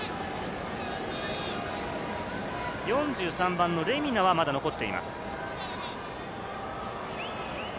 ４３番のレミナはまだ残っています。